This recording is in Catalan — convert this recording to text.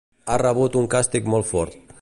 Ha rebut un càstig molt fort.